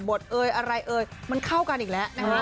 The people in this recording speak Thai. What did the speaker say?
เอ่ยอะไรเอ่ยมันเข้ากันอีกแล้วนะคะ